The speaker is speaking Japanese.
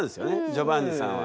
ジョバンニさんは。